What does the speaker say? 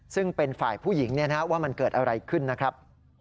ซึ่งเป็นฝ่ายผู้หญิงว่ามันเกิดอะไรขึ้นนะครับ